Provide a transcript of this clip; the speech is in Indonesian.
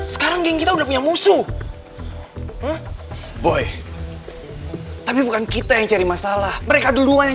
sekarang geng kita udah punya musuh boy tapi bukan kita yang cari masalah mereka duluan yang